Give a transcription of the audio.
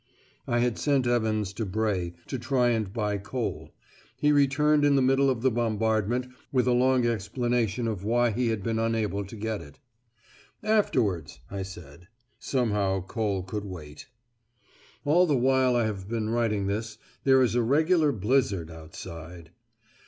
I had sent Evans to Bray to try and buy coal: he returned in the middle of the bombardment with a long explanation of why he had been unable to get it. 'Afterwards,' I said. Somehow coal could wait. All the while I have been writing this, there is a regular blizzard outside."